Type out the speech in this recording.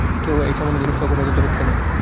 কেন, এই সামান্য জিনিসটার উপরে এত দরদ কেন?